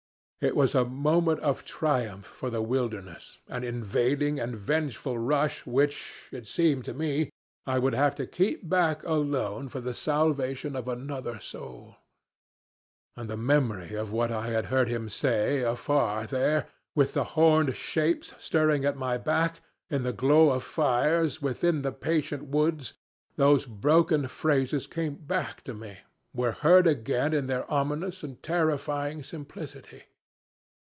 It was a moment of triumph for the wilderness, an invading and vengeful rush which, it seemed to me, I would have to keep back alone for the salvation of another soul. And the memory of what I had heard him say afar there, with the horned shapes stirring at my back, in the glow of fires, within the patient woods, those broken phrases came back to me, were heard again in their ominous and terrifying simplicity.